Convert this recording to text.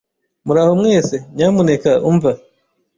Muraho mwese, nyamuneka umva.